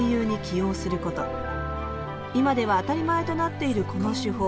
今では当たり前となっているこの手法